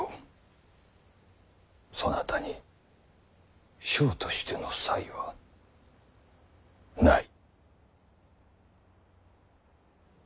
そなたに将としての才はない。